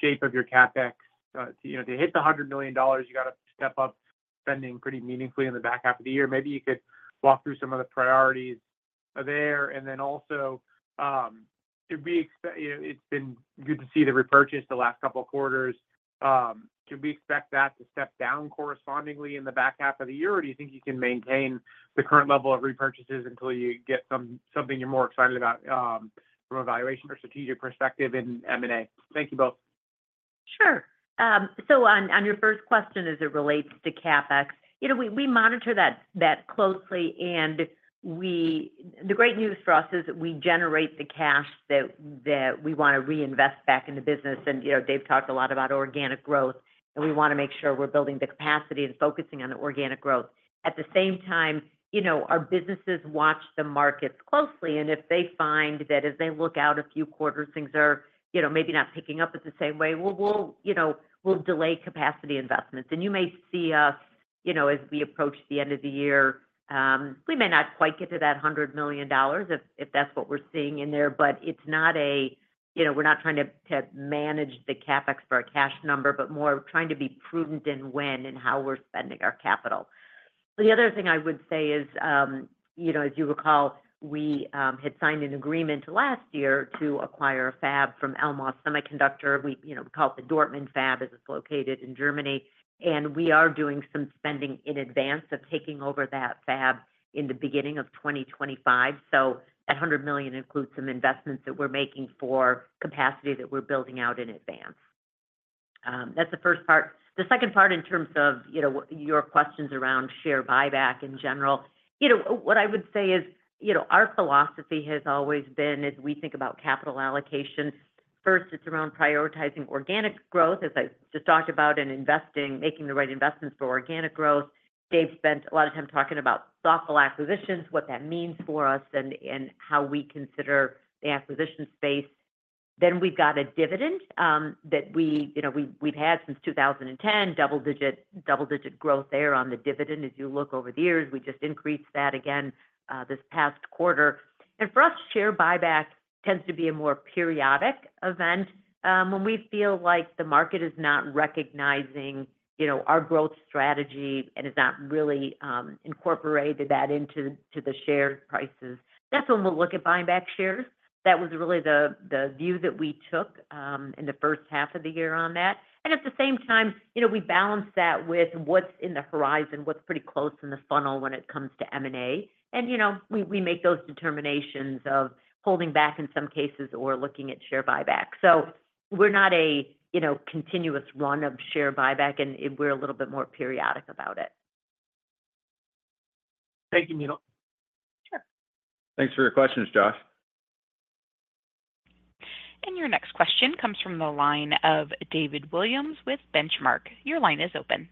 shape of your CapEx, to hit the $100 million, you got to step up spending pretty meaningfully in the back half of the year. Maybe you could walk through some of the priorities there. And then also, it's been good to see the repurchases the last couple of quarters. Do we expect that to step down correspondingly in the back half of the year, or do you think you can maintain the current level of repurchases until you get something you're more excited about from a valuation or strategic perspective in M&A? Thank you both.
Sure. So on your first question as it relates to CapEx, we monitor that closely. The great news for us is that we generate the cash that we want to reinvest back in the business. Dave talked a lot about organic growth, and we want to make sure we're building the capacity and focusing on the organic growth. At the same time, our businesses watch the markets closely. If they find that as they look out a few quarters, things are maybe not picking up at the same way, we'll delay capacity investments. You may see us as we approach the end of the year, we may not quite get to that $100 million if that's what we're seeing in there. But it's not that we're not trying to manage the CapEx for our cash number, but more trying to be prudent in when and how we're spending our capital. The other thing I would say is, as you recall, we had signed an agreement last year to acquire a fab from Elmos Semiconductor. We call it the Dortmund fab as it's located in Germany. And we are doing some spending in advance of taking over that fab in the beginning of 2025. So that $100 million includes some investments that we're making for capacity that we're building out in advance. That's the first part. The second part in terms of your questions around share buyback in general, what I would say is our philosophy has always been as we think about capital allocation, first, it's around prioritizing organic growth, as I just talked about, and making the right investments for organic growth. Dave spent a lot of time talking about thoughtful acquisitions, what that means for us, and how we consider the acquisition space. Then we've got a dividend that we've had since 2010, double-digit growth there on the dividend. As you look over the years, we just increased that again this past quarter. And for us, share buyback tends to be a more periodic event when we feel like the market is not recognizing our growth strategy and has not really incorporated that into the share prices. That's when we'll look at buying back shares. That was really the view that we took in the first half of the year on that. At the same time, we balance that with what's in the horizon, what's pretty close in the funnel when it comes to M&A. We make those determinations of holding back in some cases or looking at share buyback. So we're not a continuous run of share buyback, and we're a little bit more periodic about it.
Thank you, Meenal.
Sure.
Thanks for your questions, Josh.
Your next question comes from the line of David Williams with Benchmark. Your line is open.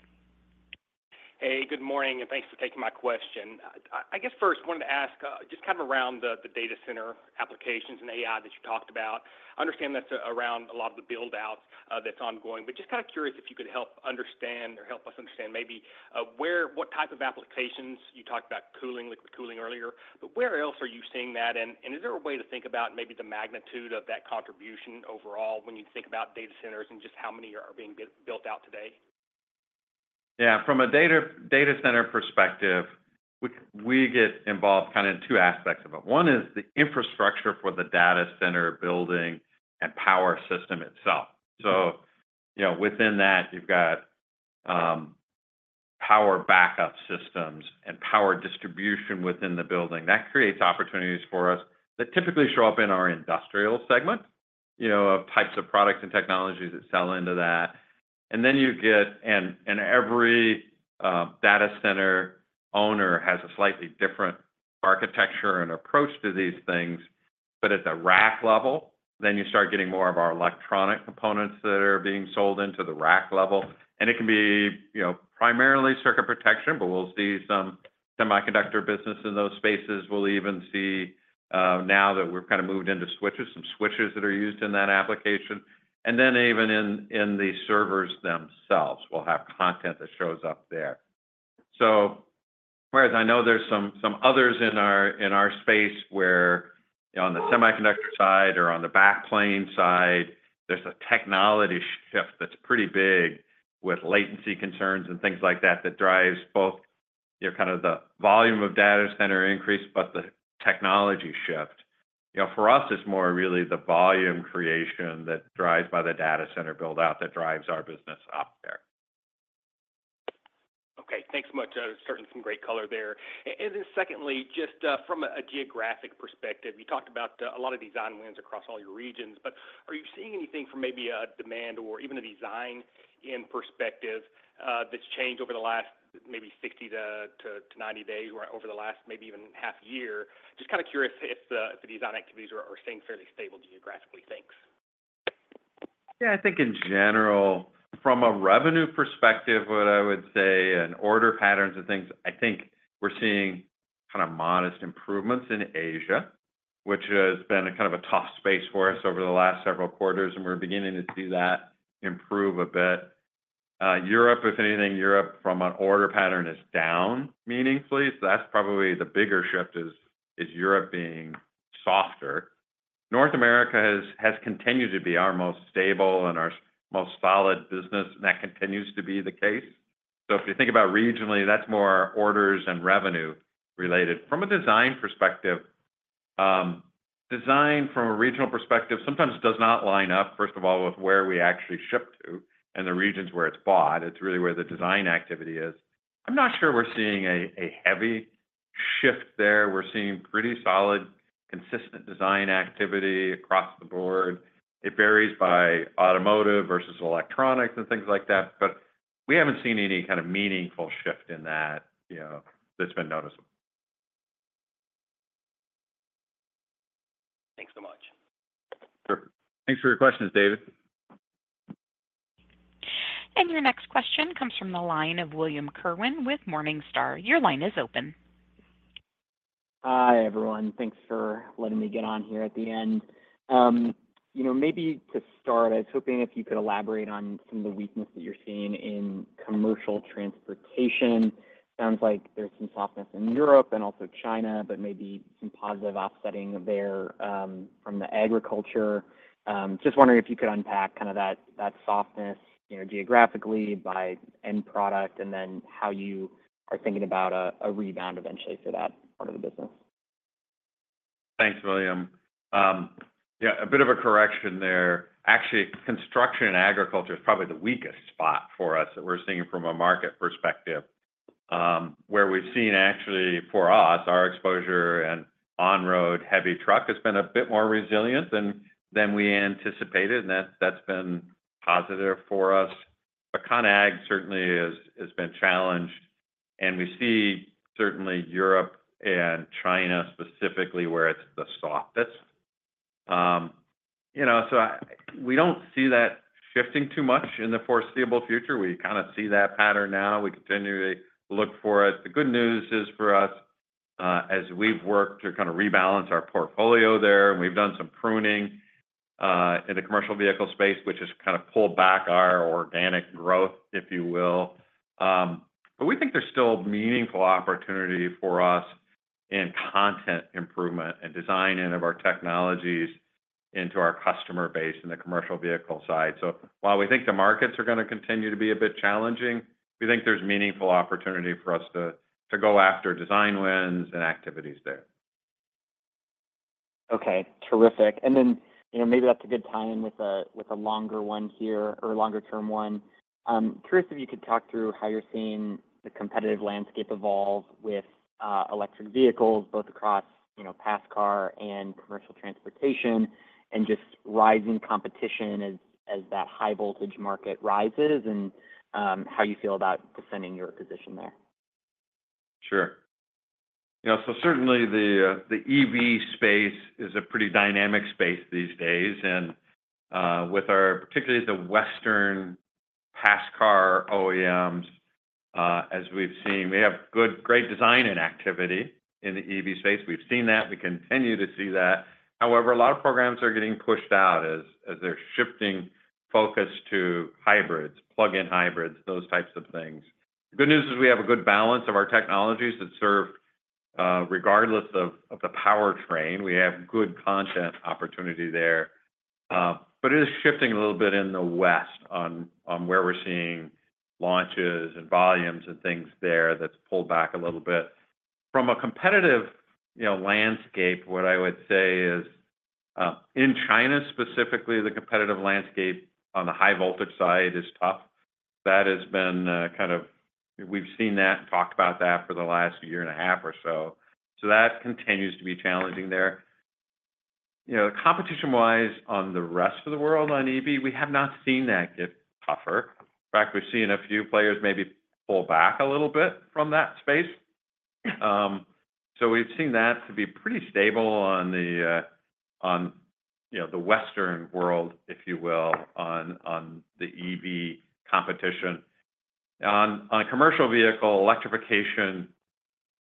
Hey, good morning, and thanks for taking my question. I guess first, wanted to ask just kind of around the data center applications and AI that you talked about. I understand that's around a lot of the build-outs that's ongoing, but just kind of curious if you could help understand or help us understand maybe what type of applications you talked about cooling, liquid cooling earlier, but where else are you seeing that? And is there a way to think about maybe the magnitude of that contribution overall when you think about data centers and just how many are being built out today?
Yeah. From a data center perspective, we get involved kind of in two aspects of it. One is the infrastructure for the data center building and power system itself. So within that, you've got power backup systems and power distribution within the building. That creates opportunities for us that typically show up in our industrial segment of types of products and technologies that sell into that. And then you get, and every data center owner has a slightly different architecture and approach to these things, but at the rack level, then you start getting more of our electronic components that are being sold into the rack level. And it can be primarily circuit protection, but we'll see some semiconductor business in those spaces. We'll even see now that we've kind of moved into switches, some switches that are used in that application. And then even in the servers themselves, we'll have content that shows up there. So whereas I know there's some others in our space where on the semiconductor side or on the backplane side, there's a technology shift that's pretty big with latency concerns and things like that that drives both kind of the volume of data center increase, but the technology shift. For us, it's more really the volume creation that drives by the data center build-out that drives our business up there.
Okay. Thanks much. Certainly some great color there. And then secondly, just from a geographic perspective, you talked about a lot of design wins across all your regions, but are you seeing anything from maybe a demand or even a design perspective that's changed over the last maybe 60-90 days or over the last maybe even half year? Just kind of curious if the design activities are staying fairly stable geographically. Thanks.
Yeah. I think in general, from a revenue perspective, what I would say in order patterns and things, I think we're seeing kind of modest improvements in Asia, which has been kind of a tough space for us over the last several quarters, and we're beginning to see that improve a bit. Europe, if anything, Europe from an order pattern is down meaningfully. So that's probably the bigger shift is Europe being softer. North America has continued to be our most stable and our most solid business, and that continues to be the case. So if you think about regionally, that's more orders and revenue related. From a design perspective, design from a regional perspective sometimes does not line up, first of all, with where we actually ship to and the regions where it's bought. It's really where the design activity is. I'm not sure we're seeing a heavy shift there. We're seeing pretty solid, consistent design activity across the board. It varies by automotive versus electronics and things like that, but we haven't seen any kind of meaningful shift in that that's been noticeable.
Thanks so much.
Perfect. Thanks for your questions, David.
Your next question comes from the line of William Kerwin with Morningstar. Your line is open.
Hi everyone. Thanks for letting me get on here at the end. Maybe to start, I was hoping if you could elaborate on some of the weakness that you're seeing in commercial transportation. Sounds like there's some softness in Europe and also China, but maybe some positive offsetting there from the agriculture. Just wondering if you could unpack kind of that softness geographically by end product and then how you are thinking about a rebound eventually for that part of the business?
Thanks, William. Yeah. A bit of a correction there. Actually, construction and agriculture is probably the weakest spot for us that we're seeing from a market perspective. Where we've seen actually for us, our exposure and on-road heavy truck has been a bit more resilient than we anticipated, and that's been positive for us. But con ag certainly has been challenged, and we see certainly Europe and China specifically where it's the softest. So we don't see that shifting too much in the foreseeable future. We kind of see that pattern now. We continue to look for it. The good news is for us, as we've worked to kind of rebalance our portfolio there, and we've done some pruning in the commercial vehicle space, which has kind of pulled back our organic growth, if you will. But we think there's still meaningful opportunity for us in content improvement and design of our technologies into our customer base in the commercial vehicle side. So while we think the markets are going to continue to be a bit challenging, we think there's meaningful opportunity for us to go after design wins and activities there.
Okay. Terrific. And then maybe that's a good tie-in with a longer one here or a longer-term one. Curious if you could talk through how you're seeing the competitive landscape evolve with electric vehicles both across passenger car and commercial transportation and just rising competition as that high-voltage market rises and how you feel about defending your position there?
Sure. So certainly the EV space is a pretty dynamic space these days. And with our, particularly the Western passenger car OEMs, as we've seen, we have good, great design activity in the EV space. We've seen that. We continue to see that. However, a lot of programs are getting pushed out as they're shifting focus to hybrids, plug-in hybrids, those types of things. The good news is we have a good balance of our technologies that serve regardless of the powertrain. We have good content opportunity there. But it is shifting a little bit in the West on where we're seeing launches and volumes and things there that's pulled back a little bit. From a competitive landscape, what I would say is in China specifically, the competitive landscape on the high-voltage side is tough. That has been kind of we've seen that and talked about that for the last year and a half or so. So that continues to be challenging there. Competition-wise on the rest of the world on EV, we have not seen that get tougher. In fact, we've seen a few players maybe pull back a little bit from that space. So we've seen that to be pretty stable on the Western world, if you will, on the EV competition. On a commercial vehicle, electrification,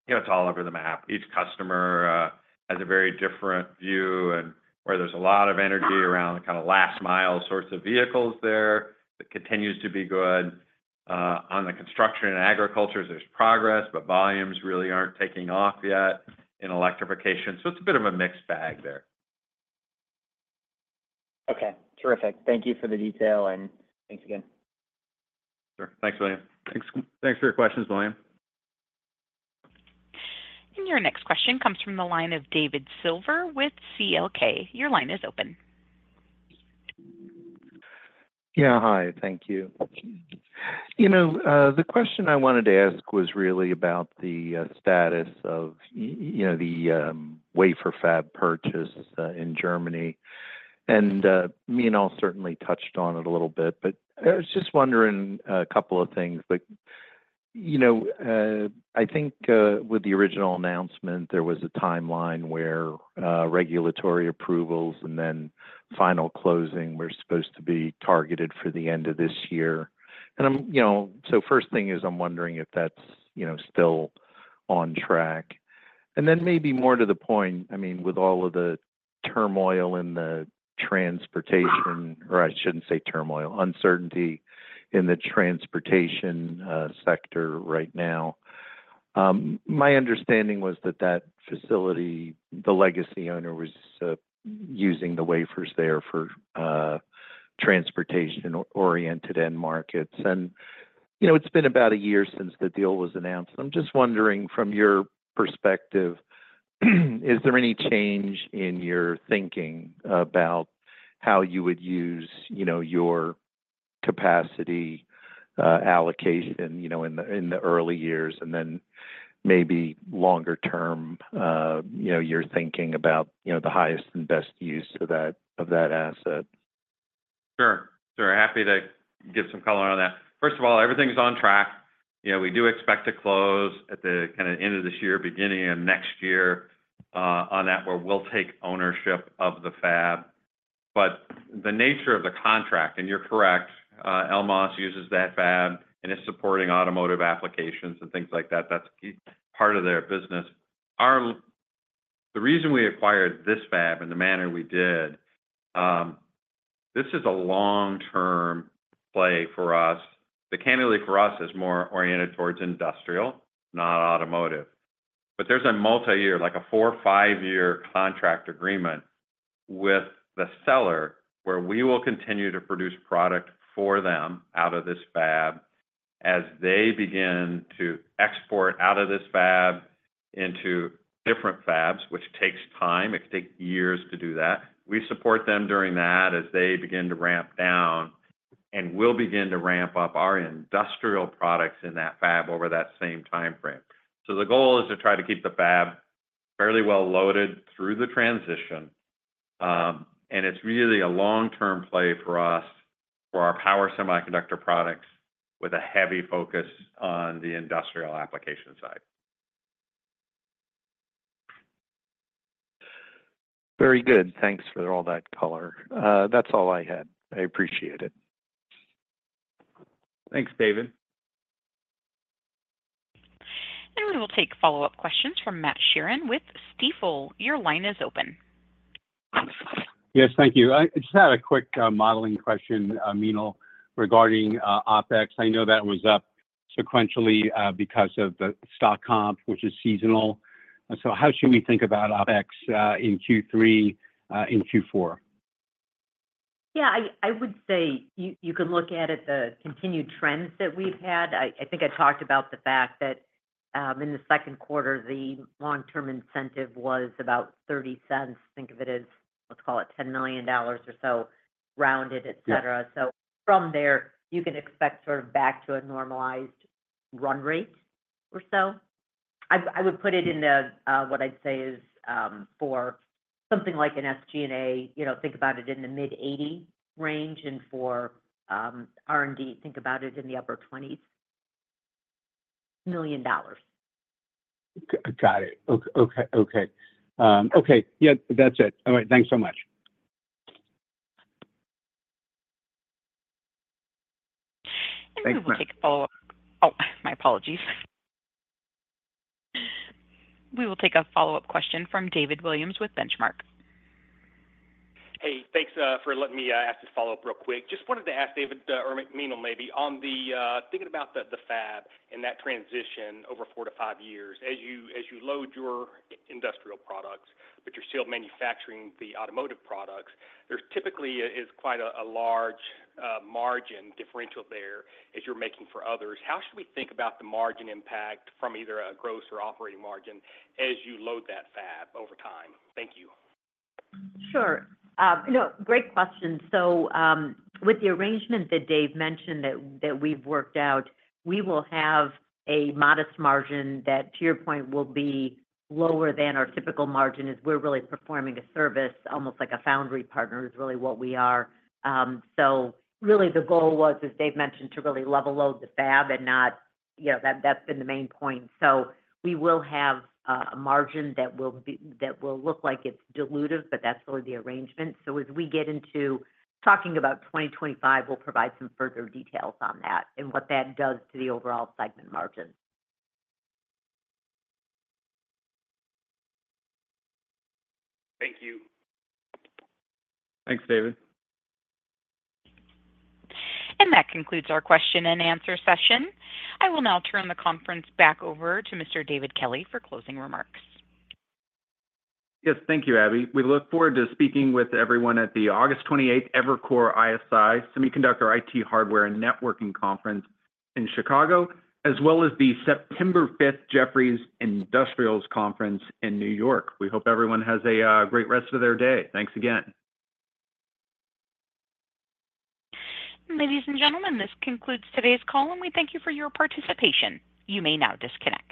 it's all over the map. Each customer has a very different view, and where there's a lot of energy around kind of last-mile sorts of vehicles there, it continues to be good. On the construction and agriculture, there's progress, but volumes really aren't taking off yet in electrification. So it's a bit of a mixed bag there.
Okay. Terrific. Thank you for the detail, and thanks again.
Sure. Thanks, William. Thanks for your questions, William.
Your next question comes from the line of David Silver with CL King. Your line is open.
Yeah. Hi. Thank you. The question I wanted to ask was really about the status of the wafer fab purchase in Germany. And Meenal, I'll certainly touched on it a little bit, but I was just wondering a couple of things. But I think with the original announcement, there was a timeline where regulatory approvals and then final closing were supposed to be targeted for the end of this year. And so first thing is I'm wondering if that's still on track. And then maybe more to the point, I mean, with all of the turmoil in the transportation, or I shouldn't say turmoil, uncertainty in the transportation sector right now, my understanding was that that facility, the legacy owner was using the wafers there for transportation-oriented end markets. And it's been about a year since the deal was announced. I'm just wondering from your perspective, is there any change in your thinking about how you would use your capacity allocation in the early years and then maybe longer-term your thinking about the highest and best use of that asset?
Sure. Sure. Happy to give some color on that. First of all, everything's on track. We do expect to close at the kind of end of this year, beginning of next year on that where we'll take ownership of the fab. But the nature of the contract, and you're correct, Elmos uses that fab and is supporting automotive applications and things like that. That's part of their business. The reason we acquired this fab in the manner we did, this is a long-term play for us. The angle for us is more oriented towards industrial, not automotive. But there's a multi-year, like a 4- or 5-year contract agreement with the seller where we will continue to produce product for them out of this fab as they begin to export out of this fab into different fabs, which takes time. It could take years to do that. We support them during that as they begin to ramp down and will begin to ramp up our industrial products in that fab over that same timeframe. So the goal is to try to keep the fab fairly well loaded through the transition. And it's really a long-term play for us for our power semiconductor products with a heavy focus on the industrial application side.
Very good. Thanks for all that color. That's all I had. I appreciate it.
Thanks, David.
We will take follow-up questions from Matt Sheerin with Stifel. Your line is open.
Yes. Thank you. I just had a quick modeling question, Meenal, regarding OpEx. I know that was up sequentially because of the stock comp, which is seasonal. So how should we think about OpEx in Q3 and Q4?
Yeah. I would say you can look at it, the continued trends that we've had. I think I talked about the fact that in the second quarter, the long-term incentive was about $0.30. Think of it as, let's call it $10 million or so rounded, etc. So from there, you can expect sort of back to a normalized run rate or so. I would put it in what I'd say is for something like an SG&A, think about it in the mid-$80 million range, and for R&D, think about it in the upper $20 million.
Got it. Okay. Okay. Okay. Yeah. That's it. All right. Thanks so much.
We will take a follow-up. Oh, my apologies. We will take a follow-up question from David Williams with Benchmark.
Hey. Thanks for letting me ask this follow-up real quick. Just wanted to ask David or Meenal maybe on thinking about the fab and that transition over 4-5 years. As you load your industrial products, but you're still manufacturing the automotive products, there typically is quite a large margin differential there as you're making for others. How should we think about the margin impact from either a gross or operating margin as you load that fab over time?
Thank you. Sure. No, great question. So with the arrangement that Dave mentioned that we've worked out, we will have a modest margin that, to your point, will be lower than our typical margin as we're really performing a service almost like a foundry partner is really what we are. So, really, the goal was, as Dave mentioned, to really level-load the fab, and that's been the main point. So we will have a margin that will look like it's dilutive, but that's really the arrangement. So as we get into talking about 2025, we'll provide some further details on that and what that does to the overall segment margin.
Thank you.
Thanks, David.
That concludes our question and answer session. I will now turn the conference back over to Mr. David Kelley for closing remarks.
Yes. Thank you, Abby. We look forward to speaking with everyone at the August 28th Evercore ISI Semiconductor IT Hardware and Networking Conference in Chicago, as well as the September 5th Jefferies Industrials Conference in New York. We hope everyone has a great rest of their day. Thanks again.
Ladies and gentlemen, this concludes today's call, and we thank you for your participation. You may now disconnect.